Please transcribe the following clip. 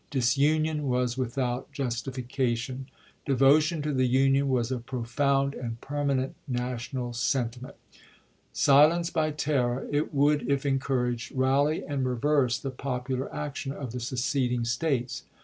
Disunion was without justification. Devotion to the Union was a profound and permanent national sentiment. Silenced by terror, it would if en couraged, rally and reverse the popular action of the seceding States.